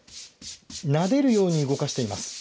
なでるように動かしています。